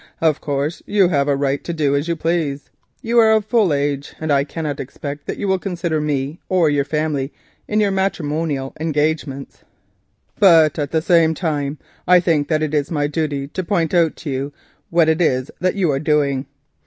"Of course you have a right to do as you please, you are of full age, and I cannot expect that you will consider me or your family in your matrimonial engagements, but at the same time I think it is my duty to point out to you what it is that you are doing.